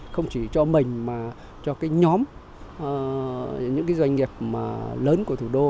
không chỉ cho mình mà cho cái nhóm những cái doanh nghiệp lớn của thủ đô